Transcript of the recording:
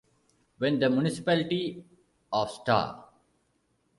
When the municipality of Sta.